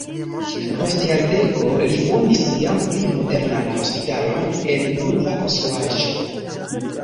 Post jardeko li fondis jam pli modernan hospitalon en nova konstruaĵo.